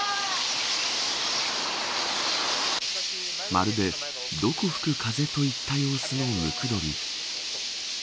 まるでどこ吹く風といった様子のムクドリ。